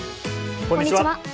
こんにちは。